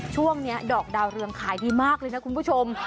ช่วงนี้ดอกดาวเรืองขายดีมากเลยนะคุณผู้ชม